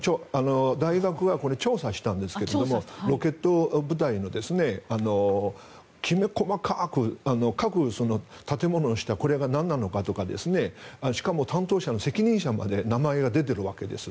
大学が調査したんですがロケット部隊のきめ細かく、各建物の下これがなんなのかとかしかも担当者の責任者まで名前が出ているわけです。